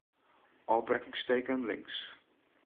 Ofbrekkingsteken links.